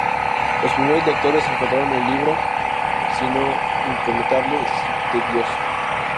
Los primeros lectores encontraron el libro, si no impenetrable, sí tedioso.